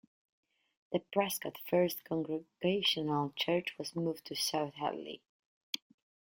The Prescott First Congregational Church was moved to South Hadley.